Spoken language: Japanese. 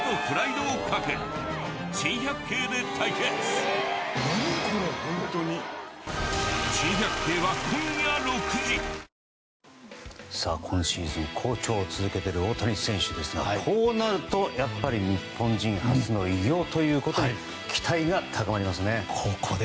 今シーズン日本人初めての記録が、偉業が今シーズン、好調を続けている大谷選手ですがこうなるとやっぱり日本人初の偉業ということに期待が高まりますね。